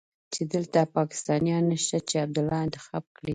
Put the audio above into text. چې دلته پاکستانيان نشته چې عبدالله انتخاب کړي.